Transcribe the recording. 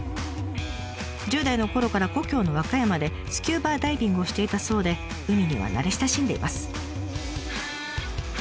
１０代のころから故郷の和歌山でスキューバダイビングをしていたそうで海には慣れ親しんでいます。